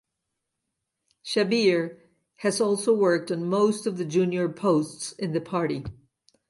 Shabbir has also worked on most of the junior posts in the party.